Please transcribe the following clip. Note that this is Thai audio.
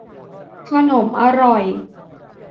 ขนมอร่อย